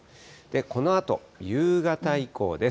このあと、夕方以降です。